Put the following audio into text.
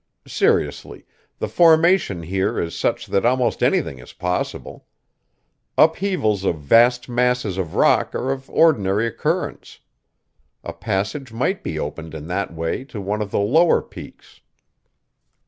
Seriously, the formation here is such that almost anything is possible. Upheavals of vast masses of rock are of ordinary occurrence. A passage might be opened in that way to one of the lower peaks.